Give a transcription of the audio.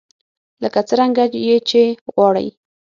لکه څرنګه يې چې غواړئ.